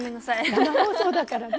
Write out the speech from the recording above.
生放送だからね。